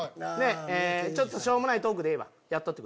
ちょっとしょうもないトークでええわやっとってくれ。